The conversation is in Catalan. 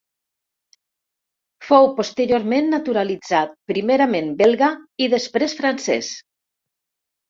Fou posteriorment naturalitzat primerament belga i després francès.